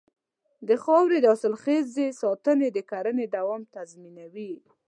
د خاورې د حاصلخېزۍ ساتنه د کرنې دوام تضمینوي.